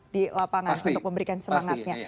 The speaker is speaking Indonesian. di lapangan untuk memberikan semangatnya